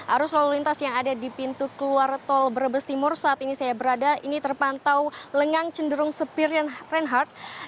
arus lalu lintas yang ada di pintu keluar tol brebes timur saat ini saya berada ini terpantau lengang cenderung sepir reinhardt